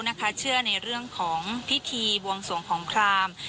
เชื่อในเรื่องของพิธีบวงสวงของคราม